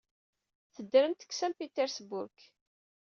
Teddremt deg Saint Petersburg.